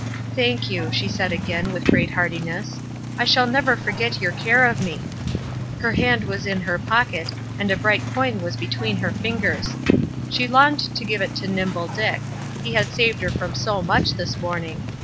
"Thank you," she said again, with great heartiness. "I shall never forget your care of me." Her hand was in her pocket, and a bright coin was between her fingers. She longed to give it to Nimble Dick; he had saved her from so much this morning.